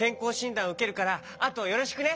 だんうけるからあとはよろしくね。